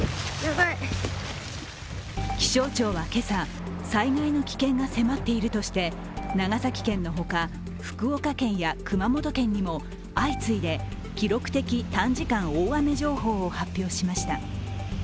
気象庁は今朝、災害の危険が迫っているとして長崎県の他、福岡県や熊本県にも相次いで記録的短時間大雨情報を発表しました。